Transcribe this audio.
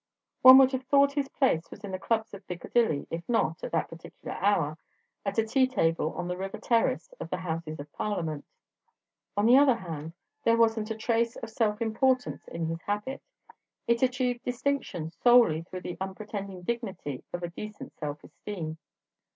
One would have thought his place was in the clubs of Piccadilly if not (at that particular hour) at a tea table on the river terrace of the Houses of Parliament. On the other hand, there wasn't a trace of self importance in his habit, it achieved distinction solely through the unpretending dignity of a decent self esteem.